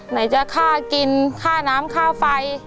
ไหนจะค่ากินค่าน้ำค่าไฟ